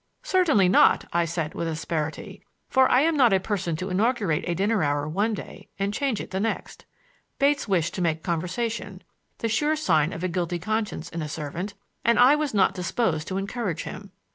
"Certainly not," I said with asperity; for I am not a person to inaugurate a dinner hour one day and change it the next. Bates wished to make conversation,—the sure sign of a guilty conscience in a servant,—and I was not disposed to encourage him.